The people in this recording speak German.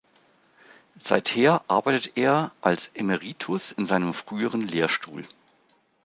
Seither arbeitet er als Emeritus an seinem früheren Lehrstuhl.